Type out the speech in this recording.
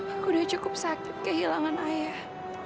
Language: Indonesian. aku udah cukup sakit kehilangan ayah